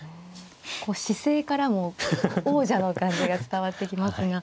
こう姿勢からも王者の感じが伝わってきますが。